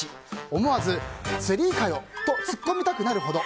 思わずツリーかよとツッコみたくなるほど。